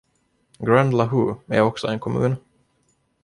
Grand-Lahou är också en kommun.